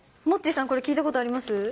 モッチーさん、これ聞いたことあります？